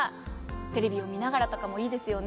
テレビを見ながらとかもいいですよね。